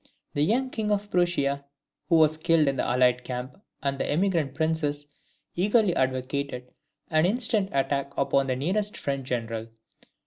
The young King of Prussia, who was in the allied camp, and the emigrant princes, eagerly advocated an instant attack upon the nearest French general.